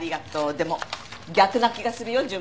でも逆な気がするよ順番。